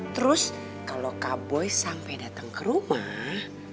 terus kalo kak boy sampai dateng ke rumah